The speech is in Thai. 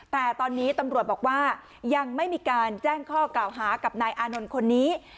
แต่ตอนนี้ตำรวจบอกว่ายังไม่มีการแจ้งข้อกล่าวหากับนายอานนท์คนนี้